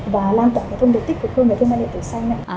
và lan tỏa cái thông tin tích cực hơn về thương mại điện tử xanh